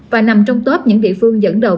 và nằm trong top những địa phương dẫn đầu